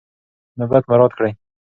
نوبت مراعات کړئ.